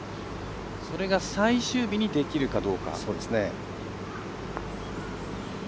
それが最終日にできるかどうか。